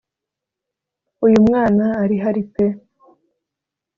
uyu mwana arihari pe